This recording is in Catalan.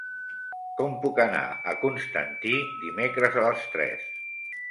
Com puc anar a Constantí dimecres a les tres?